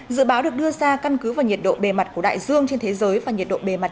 dự báo được đưa ra căn cứ vào nhiệt độ bề mặt của đại dương trên thế giới và nhiệt độ bề mặt